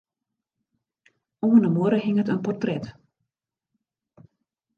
Oan 'e muorre hinget in portret.